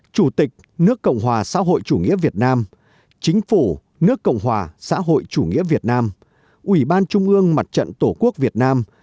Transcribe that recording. chủ tịch nước cộng hòa xã hội chủ nghĩa việt nam chính phủ nước cộng hòa xã hội chủ nghĩa việt nam ủy ban trung ương mặt trận tổ quốc việt nam